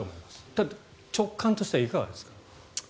ただ、直感としてはいかがですか？